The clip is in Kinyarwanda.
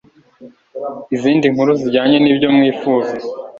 Izindi nkuru bijyanye nibyo mwifuza